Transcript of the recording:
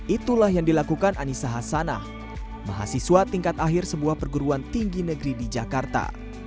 itulah yang dilakukan anissa hasanah mahasiswa tingkat akhir sebuah perguruan tinggi negeri di jakarta